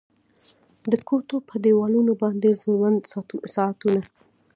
د کوټو په دیوالونو باندې ځوړند ساعتونه